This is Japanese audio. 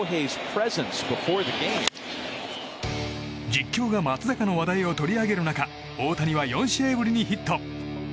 実況が松坂の話題を取り上げる中大谷は４試合ぶりにヒット。